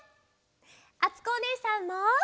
あつこおねえさんも！